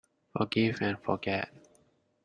Forgive and forget.